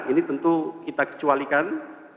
ini tentu kita kecualikan